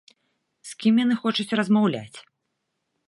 З кім яны хочуць размаўляць?